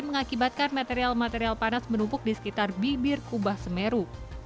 mengakibatkan material material panas menumpuk di sekitar bibir kubah semeru